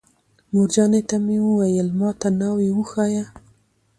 مورجانې ته مې ویل: ما ته ناوې وښایه.